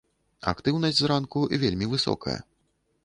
Актыўнасць зранку вельмі высокая.